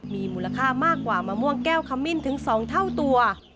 มีมูลค่ามากกว่ามะม่วงแก้วขมิ้นถึง๒เท่าตัว